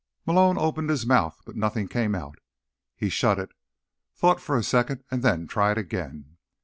Malone opened his mouth, but nothing came out. He shut it, thought for a second and then tried again.